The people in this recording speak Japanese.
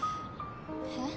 えっ？